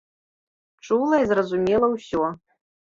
Чула і зразумела ўсё.